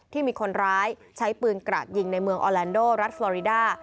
ที่มีคนร้ายใช้ปืนกระดยิงในเมืองออแลนโดรัฐฟอริดา